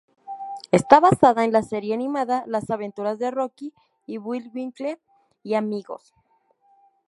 Está basada en la serie animada "Las aventuras de Rocky y Bullwinkle y Amigos".